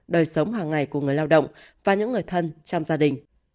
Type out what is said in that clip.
đời sống hàng ngày của người lao động và những người thân trong gia đình